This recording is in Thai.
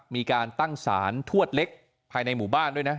มีการตั้งสารทวดเล็กภายในหมู่บ้านด้วยนะ